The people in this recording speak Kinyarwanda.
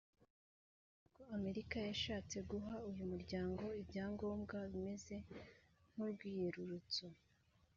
Ariko Amerika yashatse guha uyu muryango ibyangombwa bimeze nk’urwiyerurutso